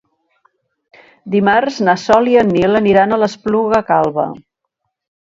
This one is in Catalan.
Dimarts na Sol i en Nil aniran a l'Espluga Calba.